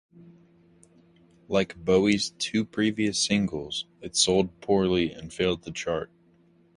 Like Bowie's two previous singles, it sold poorly and failed to chart.